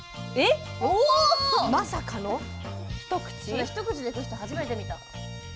それ一口でいく人初めて見た。